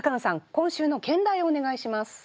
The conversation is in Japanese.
今週の兼題をお願いします。